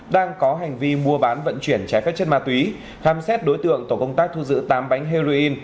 đang có hành vi mua bán vận chuyển trái phép chất ma túy khám xét đối tượng tổ công tác thu giữ tám bánh heroin